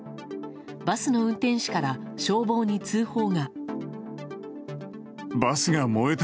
バスの運転手から消防に通報が。